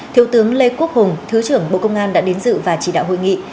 thiếu tướng lê quốc hùng thứ trưởng bộ công an đã đến dự và chỉ đạo hội nghị